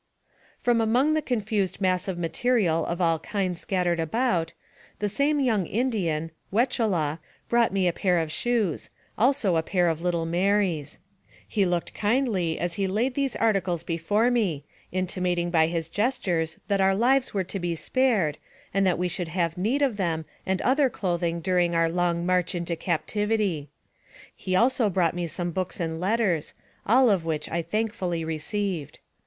From among the confused mass of material of all kinds scattered about, the same young Indian, We chela, brought me a pair of shoes ; also a pair of little Mary's. He looked kindly as he laid these articles before me, intimating by his gestures that our lives were to be spared, and that we should have need of them and other clothing during our long march into captivity. He also brought me some books and letters, all of which I thankfully received.